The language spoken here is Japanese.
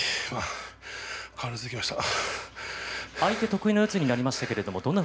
変わらずいけました。